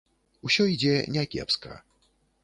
Усё ідзе не кепска.